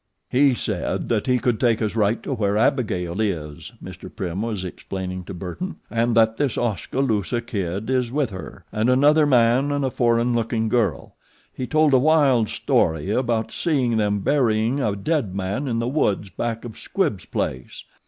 "He said that he could take us right to where Abigail is," Mr. Prim was explaining to Burton, "and that this Oskaloosa Kid is with her, and another man and a foreign looking girl. He told a wild story about seeing them burying a dead man in the woods back of Squibbs' place.